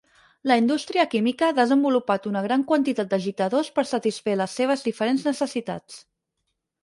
La indústria química ha desenvolupat una gran quantitat d'agitadors per satisfer les seves diferents necessitats.